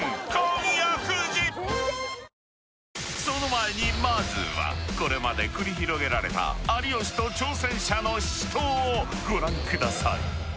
［その前にまずはこれまで繰り広げられた有吉と挑戦者の死闘をご覧ください］